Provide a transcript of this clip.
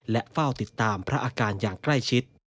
และเฝ้าติดตามพระอาการอย่างใกล้ชิด